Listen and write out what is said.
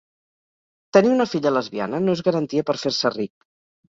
Tenir una filla lesbiana no es garantia per fer-se ric.